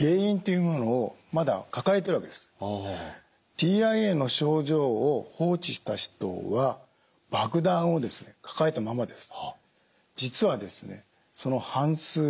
ＴＩＡの症状を放置した人は爆弾を抱えたままです。